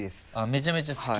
めちゃめちゃ好き？